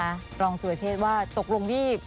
คำสั่งสรรวชชฌ์ว่าตกลงที่